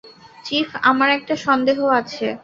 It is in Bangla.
চীফ, আমার একটা সন্দেহ আছে।